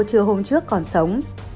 chưa hôn trước còn sống